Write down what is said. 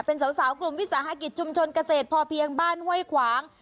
เป็นสาวกลุ่มวิสาหกิจชุมชนเกษตรพอเพียงบ้านห้วยขวาง